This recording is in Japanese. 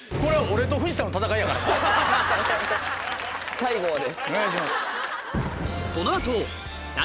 最後まで。